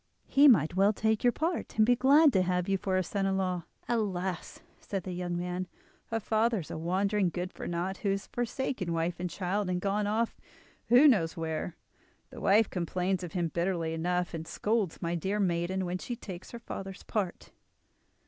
He might well take your part, and be glad to have you for his son in law." "Alas!" said the young man, "her father is a wandering good for naught, who has forsaken wife and child, and gone off—who knows where? The wife complains of him bitterly enough, and scolds my dear maiden when she takes her father's part."